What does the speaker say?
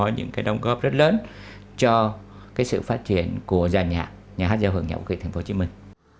những cái đóng góp rất lớn cho cái sự phát triển của dàn nhạc nhà hát giao hưởng nhạc vũ kịch thành phố hồ chí minh